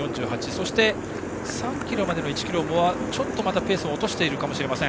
そして３ｋｍまでの１ｋｍもちょっとまたペースを落としているかもしれません。